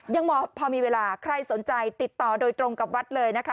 ยังพอมีเวลาใครสนใจติดต่อโดยตรงกับวัดเลยนะคะ